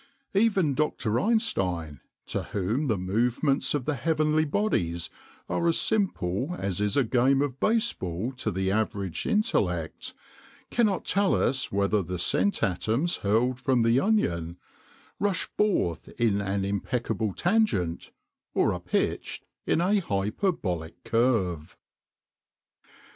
Even Dr. Einstein, to whom the movements of the heavenly bodies are as simple as is a game of baseball to the average intellect, cannot tell us whether the scent atoms hurled from the Onion rush forth in an impeccable tangent or are pitched in a hyperbolic curve.